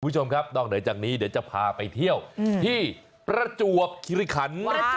คุณผู้ชมครับนอกเหนือจากนี้เดี๋ยวจะพาไปเที่ยวที่ประจวบคิริคัน